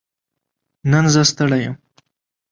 نن زه ستړې يم